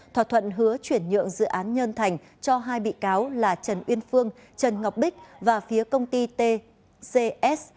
thỏa thuận hứa chuyển nhượng dự án nhân thành cho hai bị cáo là trần uyên phương trần ngọc bích và phía công ty tcs